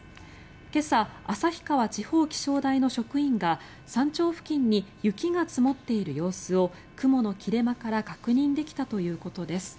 今朝、旭川地方気象台の職員が山頂付近に雪が積もっている様子を雲の切れ間から確認できたということです。